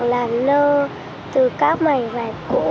làm nơ từ các mảnh vải cũ